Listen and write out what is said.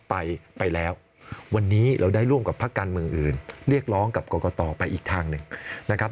ไปแล้ววันนี้เราได้ร่วมกับพักการเมืองอื่นเรียกร้องกับกรกตไปอีกทางหนึ่งนะครับ